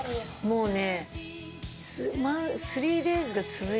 もうね。